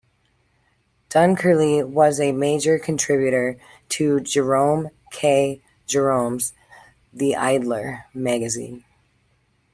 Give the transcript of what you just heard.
Dunkerley was a major contributor to Jerome K. Jerome's "The Idler" magazine.